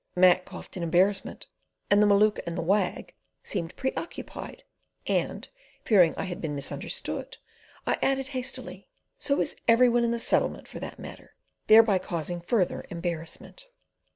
Mac coughed in embarrassment, and the Maluka and the Wag seemed pre occupied, and, fearing I had been misunderstood, I added hastily: "So is everyone in the Settlement, for that matter," thereby causing further embarrassment.